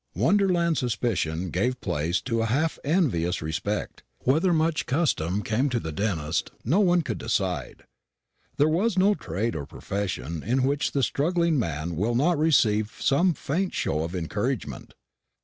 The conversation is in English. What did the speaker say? Wonderland suspicion gave place to a half envious respect. Whether much custom came to the dentist no one could decide. There is no trade or profession in which the struggling man will not receive some faint show of encouragement.